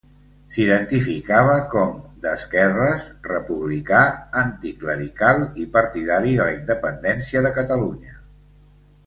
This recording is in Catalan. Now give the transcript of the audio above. S'identificava com d'esquerres, republicà, anticlerical i partidari de la Independència de Catalunya.